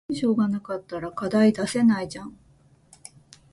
文章が無かったら課題出せないじゃん